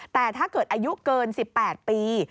แต่ถ้าเกิดอายุเกิน๑๘ปี